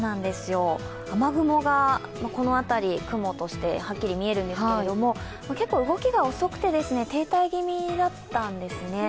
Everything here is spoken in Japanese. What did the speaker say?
雨雲がこの辺り、雲としてはっきり見えるんですけれども、結構動きが遅くて、停滞気味だったんですね。